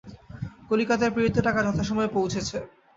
কলিকাতায় প্রেরিত টাকা যথাসময়ে পৌঁছেছে।